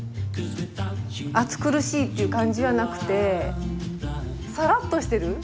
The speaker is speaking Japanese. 暑苦しいっていう感じはなくてさらっとしてる。